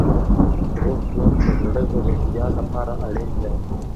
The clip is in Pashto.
روغ ژوند د زړه د روغتیا لپاره اړین دی.